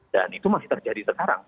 dan itu masih terjadi sekarang